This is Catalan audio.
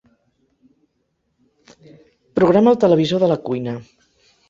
Programa el televisor de la cuina.